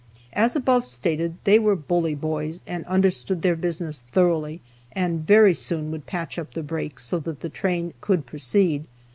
As above stated, they were bully boys, and understood their business thoroughly, and very soon would patch up the breaks so that the train could proceed.